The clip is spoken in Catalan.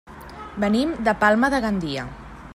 Venim de Palma de Gandia.